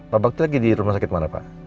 bapak itu lagi di rumah sakit mana pak